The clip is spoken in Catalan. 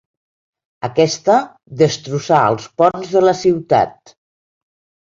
Aquesta destrossà els ponts de la ciutat.